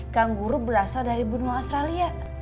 kang guru berasal dari bunuh australia